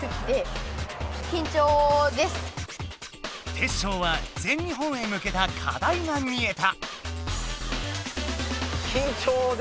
テッショウは全日本へ向けたかだいが見えた。